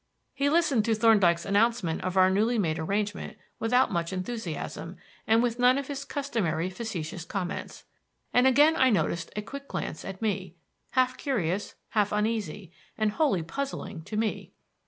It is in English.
He listened to Thorndyke's announcement of our newly made arrangement without much enthusiasm and with none of his customary facetious comments. And again I noticed a quick glance at me, half curious, half uneasy, and wholly puzzling to me.